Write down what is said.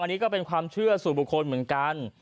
อันนี้ก็เป็นความเชื่อสู่บุคคลเหมือนกัน